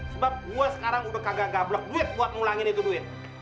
sebab gue sekarang udah kagak gablok duit buat ngulangin itu duit